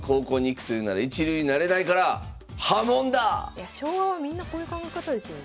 いや昭和はみんなこういう考え方ですよね。